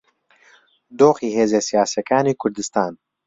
دۆخی هێزە سیاسییەکانی کوردستان